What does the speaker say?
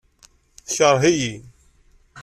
Tekṛeh-iyi.